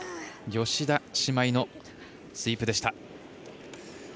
吉田姉妹のスイープでした。